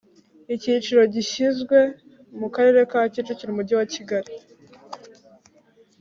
Icyicaro gishyizwe mu karere ka Kicukiro Umujyi wakigali